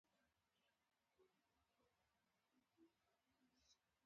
بل ګروپ غړي په خپلو کې استازي ټاکي.